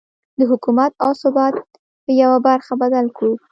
د حکومت او ثبات په يوه برخه بدل کړو.